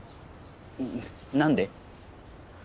何で？